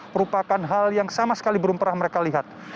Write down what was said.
merupakan hal yang sama sekali berumperah mereka lihat